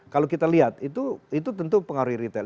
kalau kita lihat itu tentu pengaruhi retail